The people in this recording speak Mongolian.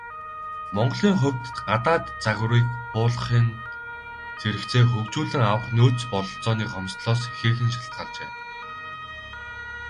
Монголын хувьд, гадаад загварыг буулгахын зэрэгцээ хөгжүүлэн авах нөөц бололцооны хомсдолоос ихээхэн шалтгаалжээ.